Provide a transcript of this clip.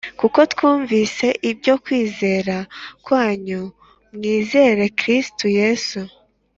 kuko twumvise ibyo kwizera kwanyu mwizeye Kristo Yesu